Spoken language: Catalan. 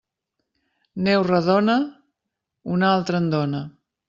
Neu redona, una altra en dóna.